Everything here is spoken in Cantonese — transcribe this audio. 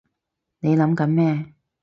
你諗緊咩？